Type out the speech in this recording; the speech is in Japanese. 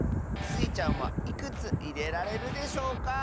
スイちゃんはいくついれられるでしょうか？